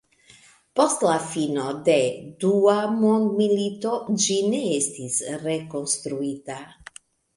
Post la fino de Dua Mondmilito ĝi ne estis rekonstruita.